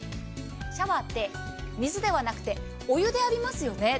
シャワーって水ではなくてお湯で浴びますよね。